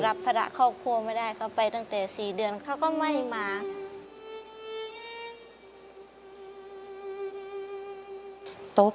รับพระราชครบครัวไม่ได้